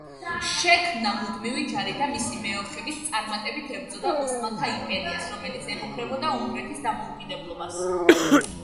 შექმნა მუდმივი ჯარი და მისი მეოხებით წარმატებით ებრძოდა ოსმალთა იმპერიას, რომელიც ემუქრებოდა უნგრეთის დამოუკიდებლობას.